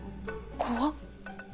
怖っ。